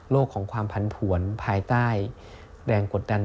โลกของความพันธุ์ผวนภายใต้แรงกดดัน